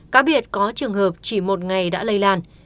cá biệt có trường hợp chỉ một ngày đã lây lan